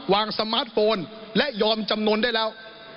สมาร์ทโฟนและยอมจำนวนได้แล้ว